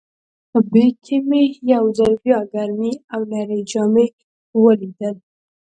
په بیک کې مې یو ځل بیا ګرمې او نرۍ جامې ولیدل.